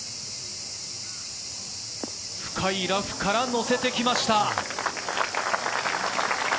深いラフから乗せてきました！